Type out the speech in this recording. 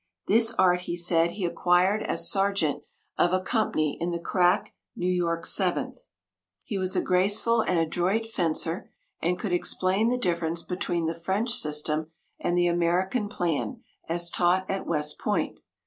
This art, he said, he acquired as sergeant of a company in the crack New York Seventh. He was a graceful and adroit fencer, and could explain the difference between the French system and the American plan as taught at West Point.